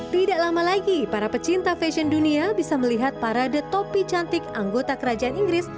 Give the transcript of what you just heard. tidak lama lagi para pecinta fashion dunia bisa melihat parade topi cantik anggota kerajaan inggris